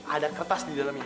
ada kertas di dalamnya